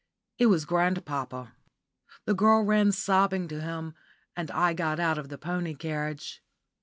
It was grandpapa. The girl ran sobbing to him, and I got out of the pony carriage.